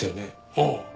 ああ。